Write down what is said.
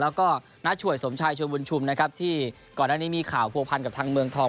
แล้วก็น้าช่วยสมชายชวนบุญชุมนะครับที่ก่อนหน้านี้มีข่าวผัวพันกับทางเมืองทอง